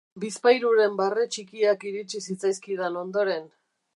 Bizpahiruren barre txikiak iritsi zitzaizkidan ondoren.